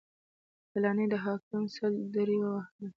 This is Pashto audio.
فلاني حاکم سل درې ووهلم.